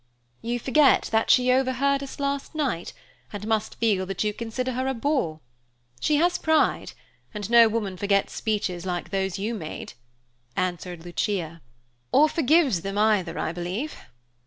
"You forget that she overheard us last night, and must feel that you consider her a bore. She has pride, and no woman forgets speeches like those you made," answered Lucia. "Or forgives them, either, I believe.